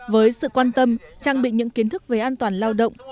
với sự quan tâm trang bị những kiến thức về an toàn lao động